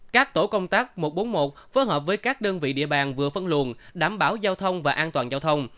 các tổ công tác một trăm bốn mươi một phối hợp với các đơn vị địa bàn vừa phân luồng đảm bảo giao thông và an toàn giao thông